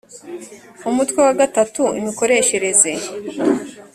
umutwe wa gatatu imikoreshereze